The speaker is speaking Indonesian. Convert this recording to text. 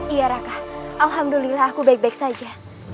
iya raka alhamdulillah aku baik baik saja